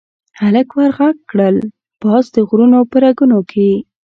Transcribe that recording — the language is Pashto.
هلک ور ږغ کړل، پاس د غرونو په رګونو کې